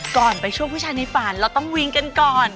ก่อนไปช่วยผู้ชายในฝันเราต้องวิงกันก่อน